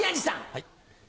はい。